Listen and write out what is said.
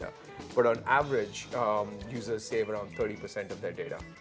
tapi secara umum pengguna menghemat sekitar tiga puluh persen dari data mereka